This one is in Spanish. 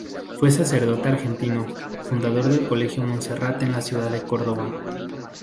Fue sacerdote argentino, fundador del Colegio Montserrat en la ciudad de Córdoba.